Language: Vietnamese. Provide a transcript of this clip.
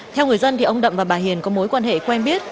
theo người dân ông đậm và bà hiền có mối quan hệ quen biết